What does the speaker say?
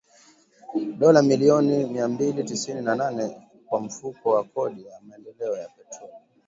dola milioni mia mbili tisini na nane kwa Mfuko wa Kodi ya Maendeleo ya Petroli